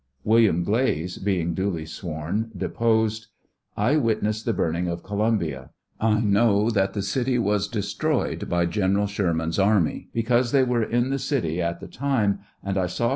8 William Glaze., being duly sworn, deposed: I witnessed the burning of Columbia. I know that the city was destroyed by General Sherman's army, because they were in the city at the time, and I saw p.